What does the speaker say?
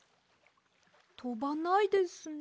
とばないですね。